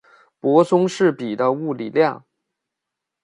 泊松式比的物理量。